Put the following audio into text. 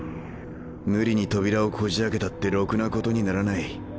無理に扉をこじあけたってろくなことにならない。